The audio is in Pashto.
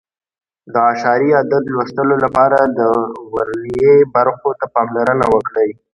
د اعشاري عدد لوستلو لپاره د ورنیې برخو ته پاملرنه وکړئ.